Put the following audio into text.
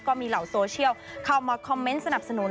ก็มีเหล่าโซเชียลเข้ามาคอมเมนต์สนับสนุน